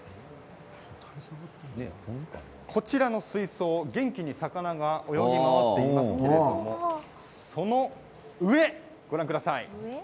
こちらの水槽、元気に魚が泳ぎ回っていますけれどその上ご覧ください。